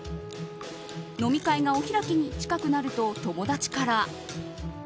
飲み会がお開きに近くなると友達から。